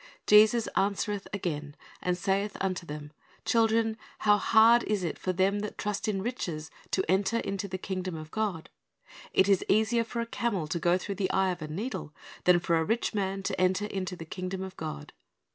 "Jesus answereth again, and saith unto them, Children, how hard is it for them that trust in riches to enter into the kingdom of God! It is easier for a camel to go through the eye of a needle, than for a rich man to enter into the kingdom of God.